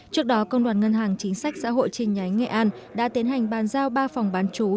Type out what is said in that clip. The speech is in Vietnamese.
trước đó công đoàn ngân hàng chính sách xã hội trình nhánh nghệ an đã tiến hành bàn giao ba phòng bán chú